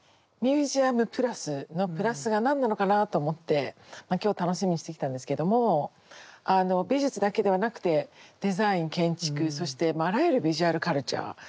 ミュージアムプラスの「プラス」が何なのかなと思って今日楽しみにしてきたんですけども美術だけではなくてデザイン建築そしてあらゆるビジュアルカルチャー。